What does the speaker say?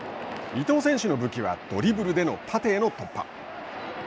伊東選手の武器は、ドリブルでの縦への突破。